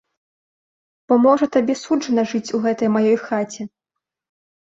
Бо можа табе суджана жыць у гэтай маёй хаце.